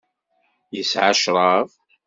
Yesɛa ccṛab.